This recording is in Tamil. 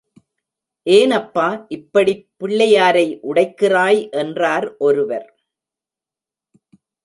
ஏனப்பா, இப்படிப்பிள்ளையாரை உடைக்கிறாய் என்றார் ஒருவர்.